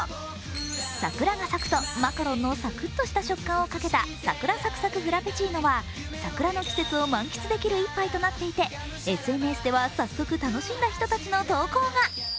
桜が「咲く」とマカロンの「サク」っとした食感をかけたさくら咲くサクフラペチーノは桜の季節を満喫できる１杯となっていてＳＮＳでは早速、楽しんだ人たちの投稿が。